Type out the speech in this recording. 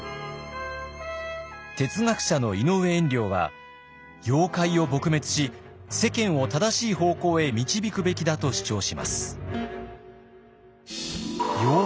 哲学者の井上円了は妖怪を撲滅し世間を正しい方向へ導くべきだと主張します。